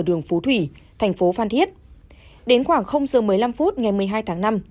đường phú thủy thành phố phan thiết đến khoảng giờ một mươi năm phút ngày một mươi hai tháng năm